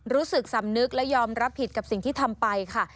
รู้สึกสำนึกและยอมรับผิดกับสิ่งที่ทำไปค่ะ